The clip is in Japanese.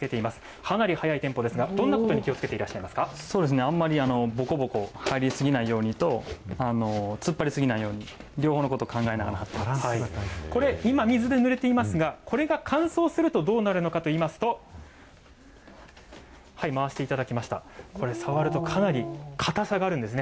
かなり速いテンポですが、どんなことを気をつけていらっしゃいまそうですね、あんまりぼこぼこ貼り過ぎないようにと、突っ張り過ぎないように、両方のことをこれ、今、水で濡れていますが、これが乾燥すると、どうなるのかといいますと、回していただきました、これ触ると、かなり硬さがあるんですね。